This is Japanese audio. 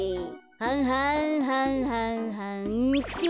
はんはんはんはんはんっと。